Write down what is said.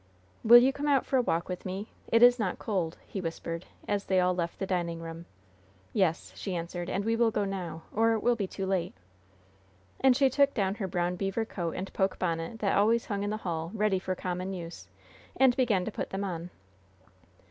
"Will you come out for a walk with me? It is not cold," he whispered, as they all left the dining room. "Yes," she answered; "and we will go now, or it will be too late." And she took down her brown beaver coat and poke bonnet that always hung in the hall ready for common use, and began to put them on.